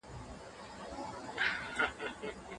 که په هېواد کي سوله راسي خلګ به سوکاله سي.